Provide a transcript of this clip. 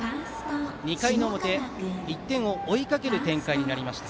２回表、１点を追いかける展開になりました。